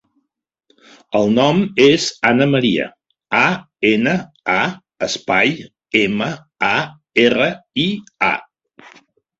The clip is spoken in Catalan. El nom és Ana maria: a, ena, a, espai, ema, a, erra, i, a.